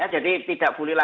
jadi tidak bolehlah